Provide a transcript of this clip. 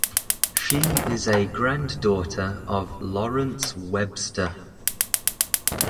She is a granddaughter of Lawrence Webster.